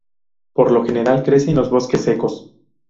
Por lo general crece en los bosques secos.